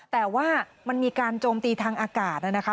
แต่ว่ามันมีการโจมตีทางอากาศนะคะ